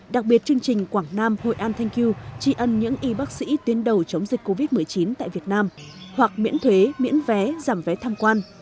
đặc biệt chương trình quảng nam hội an thank yeu tri ân những y bác sĩ tuyến đầu chống dịch covid một mươi chín tại việt nam hoặc miễn thuế miễn vé giảm vé tham quan